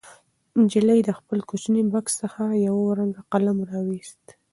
نجلۍ د خپل کوچني بکس څخه یو رنګه قلم راوویست.